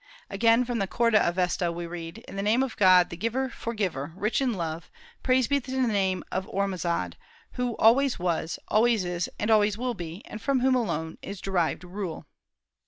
Again, from the Khorda Avesta we read: "In the name of God, the giver, forgiver, rich in love, praise be to the name of Ormazd, who always was, always is, and always will be; from whom alone is derived rule."